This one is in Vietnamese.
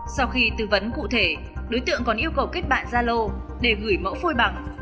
sau khi tư vấn cụ thể đối tượng còn yêu cầu kết bạn gia lô để gửi mẫu phôi bằng